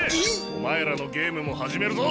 お前らのゲームも始めるぞ！